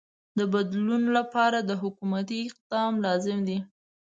د بدلون لپاره حکومتی اقدام لازم دی.